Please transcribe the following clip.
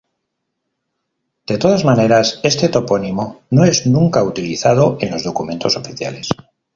De todas maneras este topónimo no es nunca utilizado en los documentos oficiales.